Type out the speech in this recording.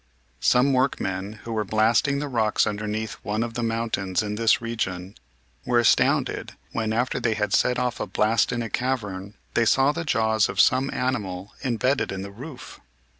Some work men who were blasting the rocks underneath one of the mountains in this region were astounded when, after they had set off a blast in a cavern, they saw the jaws of some animal imbedded in the roof.